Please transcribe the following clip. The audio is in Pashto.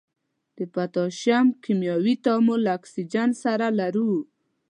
د پوتاشیم کیمیاوي تعامل له اکسیجن سره لرو.